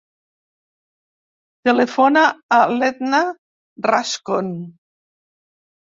Telefona a l'Edna Rascon.